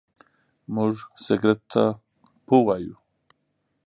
موږ سګرېټو ته پو وايو.